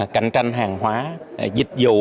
cạnh tranh hàng hóa dịch vụ